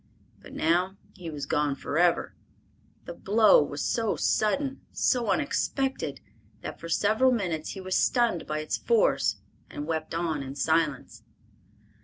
But now he was gone forever. The blow was so sudden, so unexpected, that for several minutes he was stunned by its force and wept on in silence.